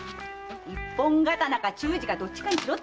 「一本刀」か「忠治」かどっちかにしろってんだよ！